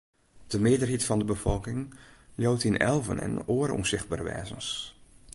De mearheid fan de befolking leaut yn elven en oare ûnsichtbere wêzens.